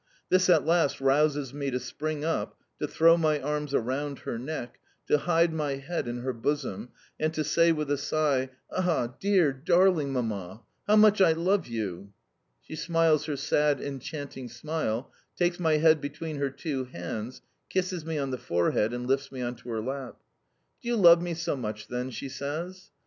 This at last rouses me to spring up, to throw my arms around her neck, to hide my head in her bosom, and to say with a sigh: "Ah, dear, darling Mamma, how much I love you!" She smiles her sad, enchanting smile, takes my head between her two hands, kisses me on the forehead, and lifts me on to her lap. "Do you love me so much, then?" she says.